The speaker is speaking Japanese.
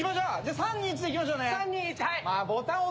３、２、１でいきましょう！